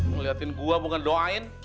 ngeliatin gue bukan doain